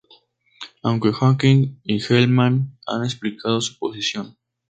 Aunque Hawking y Gell-Mann han explicado su posición.